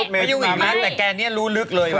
ไม่ยุ่งอีกแล้วแต่แกเนี่ยรู้ลึกเลยว่ะ